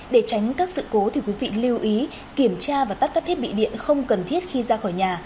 để tránh các sự cố quý vị lưu ý kiểm tra và tắt các thiết bị điện không cần thiết khi ra khỏi nhà